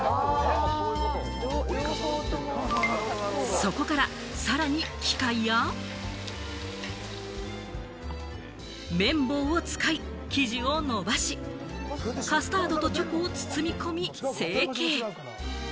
そこからさらに機械や、綿棒を使い、生地をのばし、カスタードとチョコを包み込み成形。